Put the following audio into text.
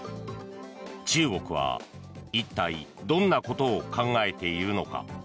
中国は一体、どんなことを考えているのか。